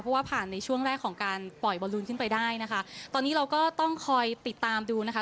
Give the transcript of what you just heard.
เพราะว่าผ่านในช่วงแรกของการปล่อยบอลลูนขึ้นไปได้นะคะตอนนี้เราก็ต้องคอยติดตามดูนะคะ